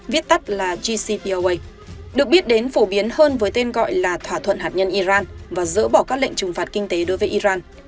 viết tắt là gcpoa được biết đến phổ biến hơn với tên gọi là thỏa thuận hạt nhân iran và dỡ bỏ các lệnh trừng phạt kinh tế đối với iran